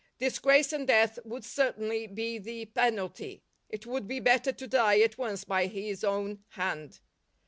Disgrace and death would certainly be the penalty ; it would be better to die at once by his own hand.